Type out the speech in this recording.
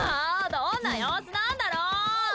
どんな様子なんだろ！